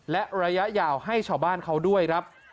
และระยะยาวให้ชาวบ้านเขาด้วยครับ